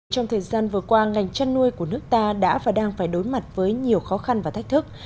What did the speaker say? trong thời gian vừa qua ngành chăn nuôi của nước ta đã và đang phải đối mặt với nhiều khó khăn và thách thức